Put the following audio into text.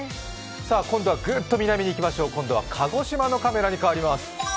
今度はグーッと南に行きましょう、鹿児島のカメラに変わります。